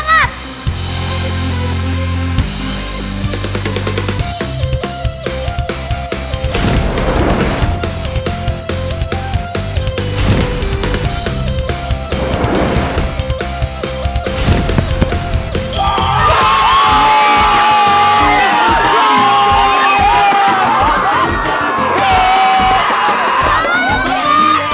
kita mau tendangnya jauh